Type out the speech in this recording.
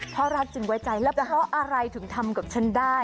เพราะรักจึงไว้ใจแล้วเพราะอะไรถึงทำกับฉันได้